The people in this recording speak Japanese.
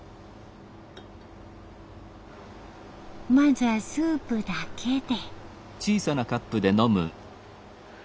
まずはスープだけで。